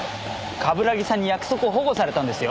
冠城さんに約束を反故されたんですよ。